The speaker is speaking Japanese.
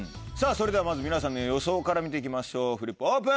それではまず皆さんの予想から見ていきましょうフリップオープン。